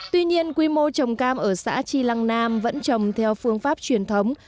tuy nhiên quy mô trồng cam ở xã tri lăng nam vẫn trồng theo phương pháp truyền thống